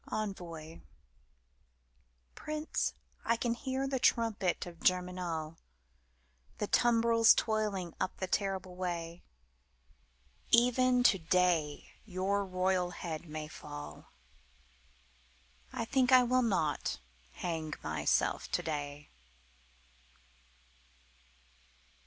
Envoi Prince, I can hear the trumpet of Germinal, The tumbrils toiling up the terrible way; Even today your royal head may fall I think I will not hang myself today.